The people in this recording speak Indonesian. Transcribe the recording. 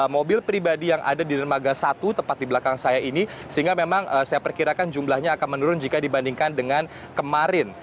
mobil pribadi yang ada di dermaga satu tepat di belakang saya ini sehingga memang saya perkirakan jumlahnya akan menurun jika dibandingkan dengan kemarin